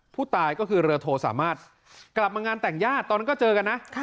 ผู้ตายก็คือเรือโทสามารถกลับมางานแต่งญาติตอนนั้นก็เจอกันนะ